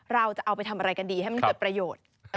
เราจะเอาไปทำอะไรกันดีให้มันเกิดประโยชน์